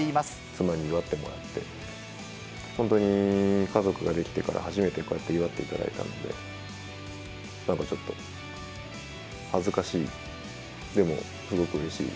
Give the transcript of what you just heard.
妻に祝ってもらって、本当に家族ができてから初めてこうやって祝っていただいたんで、なんかちょっと、恥ずかしい、でもすごくうれしい、